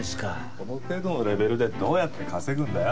この程度のレベルでどうやって稼ぐんだよ。